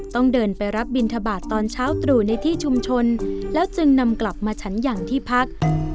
ต้องเดินไปรับบินทบาทตอนเช้าตรู่ในที่ชุมชนแล้วจึงนำกลับมาฉันอย่างที่พัก